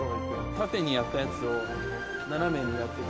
縦にやったやつを斜めにやってく？